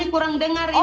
kami kurang dengar ibu